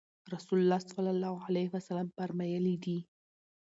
رسول الله صلی الله عليه وسلم فرمایلي دي: